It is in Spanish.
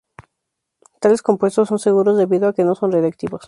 Tales compuestos son seguros debido a que no son radioactivos.